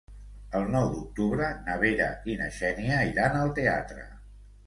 El nou d'octubre na Vera i na Xènia iran al teatre.